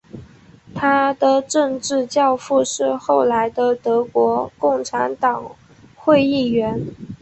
他的政治教父是后来的德国共产党国会议员。